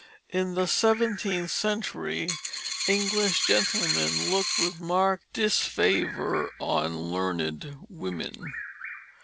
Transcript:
In the seventeenth century English gentlemen looked with marked disfavor on learned women.